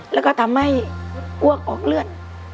แล้วก็ทำให้อ้วกออกเลือด